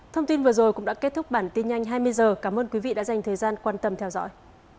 cảm ơn các bạn đã theo dõi và hẹn gặp lại